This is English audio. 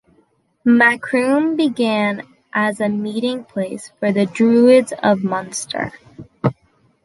Macroom began as a meeting place for the Druids of Munster.